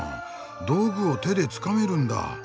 道具を手でつかめるんだ。